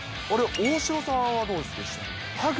大城さんはどうですか。